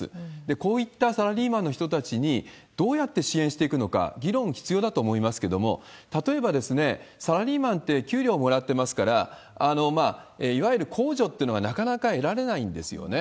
こういったサラリーマンの人たちに、どうやって支援していくのか議論必要だと思いますけれども、例えば、サラリーマンって給料もらってますから、いわゆる公助っていうのがなかなか得られないんですよね。